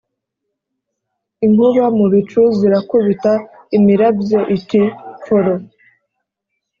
inkuba mu bicu zirakubita imirabyo iti pforo